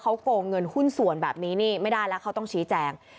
เขาโกงเงินหุ้นส่วนแบบนี้นี่ไม่ได้แล้วเขาต้องชี้แจง